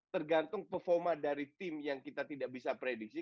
tergantung performa dari tim yang kita tidak bisa prediksi